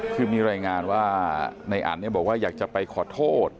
คือมีรายงานว่าในอันบอกว่าอยากจะไปขอโทษ